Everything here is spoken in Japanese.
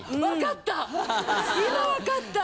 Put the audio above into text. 分かった！